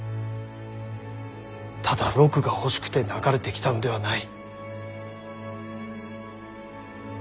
ただ禄が欲しくて流れてきたのではない。